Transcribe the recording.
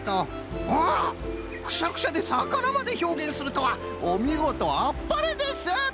おおくしゃくしゃでさかなまでひょうげんするとはおみごとあっぱれです！